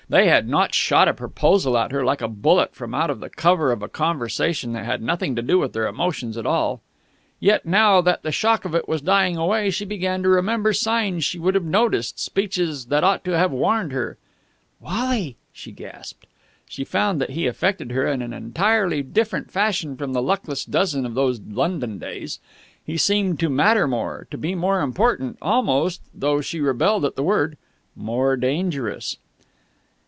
They had not shot a proposal at her like a bullet from out of the cover of a conversation that had nothing to do with their emotions at all. Yet, now that the shock of it was dying away, she began to remember signs she would have noticed, speeches which ought to have warned her.... "Wally!" she gasped. She found that he affected her in an entirely different fashion from the luckless dozen of those London days. He seemed to matter more, to be more important, almost though she rebelled at the word more dangerous.